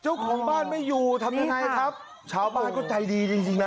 เจ้าของบ้านไม่อยู่ทำยังไงครับชาวบ้านก็ใจดีจริงจริงนะ